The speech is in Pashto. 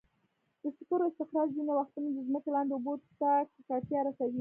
د سکرو استخراج ځینې وختونه د ځمکې لاندې اوبو ته ککړتیا رسوي.